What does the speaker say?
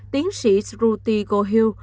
tiến sĩ ruthie gohill